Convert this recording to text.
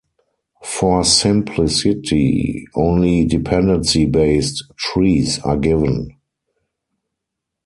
For simplicity, only dependency-based trees are given.